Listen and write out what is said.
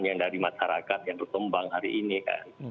yang dari masyarakat yang berkembang hari ini kan